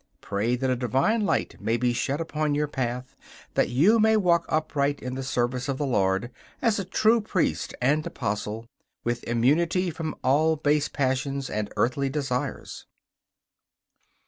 Pray that a divine light may be shed upon your path, that you may walk upright in the service of the Lord as a true priest and apostle, with immunity from all base passions and earthly desires.